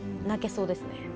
泣けそうですね。